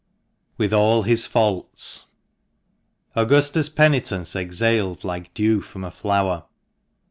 WITH ALL HIS FAULTS. UGUSTA'S penitence exhaled like dew from a flower.